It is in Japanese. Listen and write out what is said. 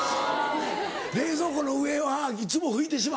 冷蔵庫の上はいつも拭いてしまうんだ。